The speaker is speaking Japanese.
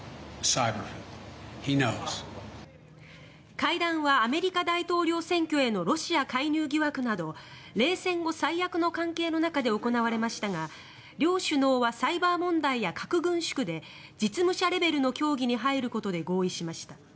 会談はアメリカ大統領選挙へのロシア介入疑惑など冷戦後最悪の関係の中で行われましたが両首脳はサイバー問題や核軍縮で実務者レベルでの協議に入ることで合意しました。